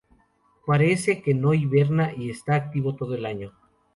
Parece que no hiberna y está activo todo el año.